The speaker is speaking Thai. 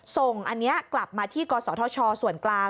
ส่งอันนี้กลับมาที่กศธชส่วนกลาง